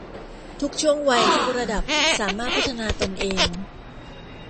ทุกช่วงวัยทุกระดับสามารถพัฒนาตนเอง